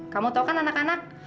kamu tau kan anak anak